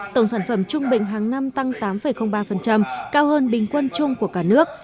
tổng sản phẩm trung bình hàng năm tăng tám ba cao hơn bình quân chung của cả nước